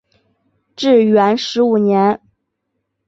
至元十五年。